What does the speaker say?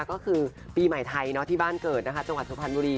ก็คือปีใหม่ไทยที่บ้านเกิดนะคะจังหวัดสุพรรณบุรี